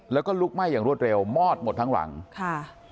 แล้วก็ลุกไหม้อย่างรวดเร็วมอดหมดทั้งหลังค่ะ